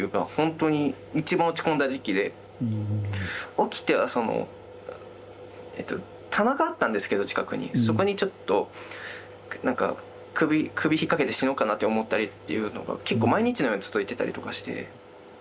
起きてはそのえっと棚があったんですけど近くにそこにちょっとなんか首引っ掛けて死のうかなって思ったりっていうのが結構毎日のように続いてたりとかして。